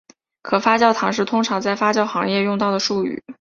可发酵糖是通常在发酵行业用到的术语。